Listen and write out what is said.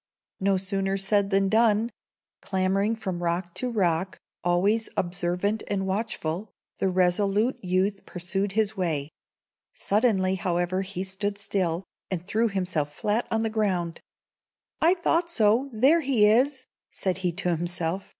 No sooner said than done. Clambering from rock to rook, always observant and watchful, the resolute youth pursued his way. Suddenly, however, he stood still, and threw himself flat on the ground. "I thought so there he is!" said he to himself.